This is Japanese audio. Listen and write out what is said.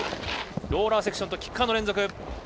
ローラーセクションとキッカーの連続。